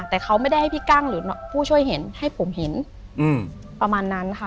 แต่เขาไม่ได้ให้พี่กั้งหรือผู้ช่วยเห็นให้ผมเห็นประมาณนั้นค่ะ